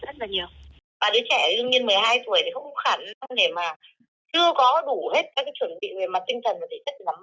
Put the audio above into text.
và đứa trẻ đương nhiên một mươi hai tuổi thì không khẳng để mà chưa có đủ hết các cái chuẩn bị về mặt tinh thần để chất lắm mẹ